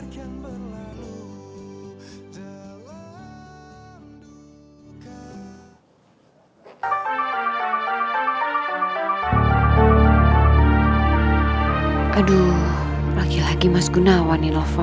jangan lupa like share dan subscribe ya